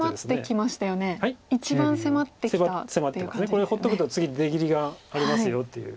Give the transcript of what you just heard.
これ放っとくと次出切りがありますよっていう。